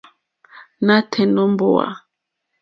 Nǎtɛ̀ɛ̀ nǒ mbówà.